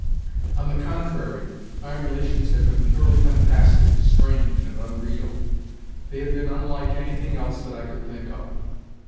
On the contrary, my relations had been purely fantastic, strange, and unreal; they had been unlike anything else that I could think of.